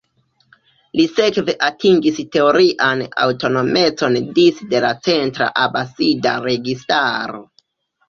Li sekve atingis teorian aŭtonomecon disde la centra Abasida registaro.